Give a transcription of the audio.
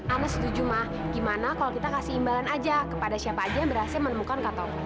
ana setuju mah gimana kalau kita kasih imbalan aja kepada siapa aja yang berhasil menemukan kak toko